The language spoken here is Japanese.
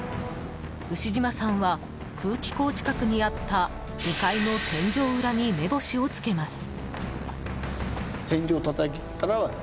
牛島さんは、空気口近くにあった２階の天井裏に目星をつけます。